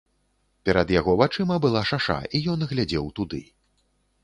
Перад яго вачыма была шаша, і ён глядзеў туды.